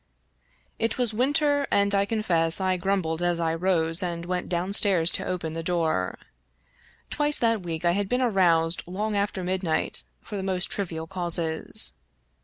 It was winter, and I confess I grumbled as I rose and went downstairs to open the door. Twice that week I had been aroused long after midnight for the most trivial causes.